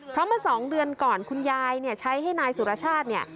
เพราะว่า๒เดือนก่อนคุณยายใช้ให้นายสุรชาติ